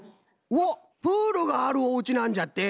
うおっプールがあるおうちなんじゃって！